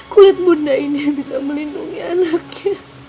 kulit bunda ini yang bisa melindungi anaknya